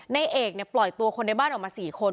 ในเอกเนี่ยปล่อยตัวคนในบ้านออกมา๔คน